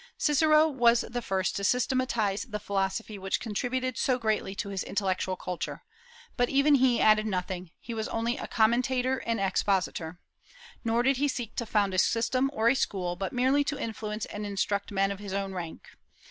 Cicero was the first to systematize the philosophy which contributed so greatly to his intellectual culture, But even he added nothing; he was only a commentator and expositor. Nor did he seek to found a system or a school, but merely to influence and instruct men of his own rank.